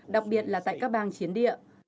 đặc biệt là tại các bang chiến địa